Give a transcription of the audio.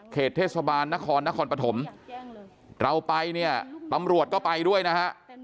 เทศบาลนครนครปฐมเราไปเนี่ยตำรวจก็ไปด้วยนะฮะ